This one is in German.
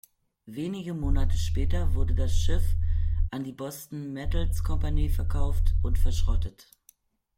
Wenige Monate später wurde das Schiff an die Boston Metals Company verkauft und verschrottet.